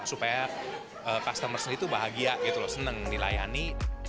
supaya customer sendiri tuh bahagia gitu loh seneng dilayani